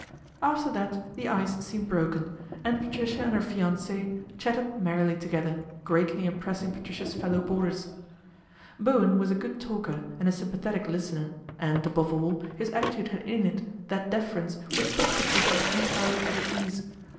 After that the ice seemed broken and Patricia 36 PATRICIA BRENT, SPINSTER and her " fiance " chatted merrily together, greatly impressing Patricia's fellow boarders. Bowen was a good talker and a sympathetic listener and, above all, his attitude had in it that deference which put Patricia entirely at her ease.